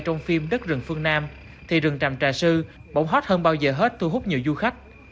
trong phim đất rừng phương nam thì rừng tràm trà sư bỗng hoát hơn bao giờ hết thu hút nhiều du khách